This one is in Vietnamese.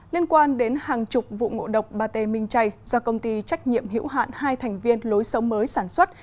liên quan đến hàng chục vụ ngộ độc bà tê minh chay do công ty trách nhiệm hiểu hạn hai thành viên lối sống mới sản xuất